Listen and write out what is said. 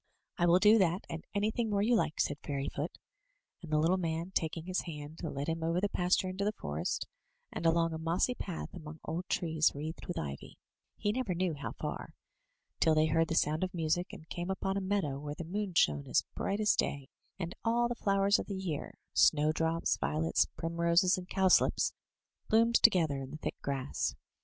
'* "I will do that, and anything more you like,*' said Fairy foot; and the little man, taking his hand, led him over the pas ture into the forest, and along a mossy path among old trees wreathed with ivy (he never knew how far), till they heard the sound of music, and came upon a meadow where the moon shone as bright as day, and all the flowers of the year — snowdrops, violets, primroses, and cowslips — ^bloomed together in the thick grass.